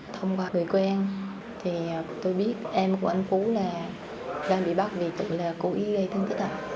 thông qua người quen thì tôi biết em của anh phú là đang bị bắt vì tự là cố ý gây thương tích ạ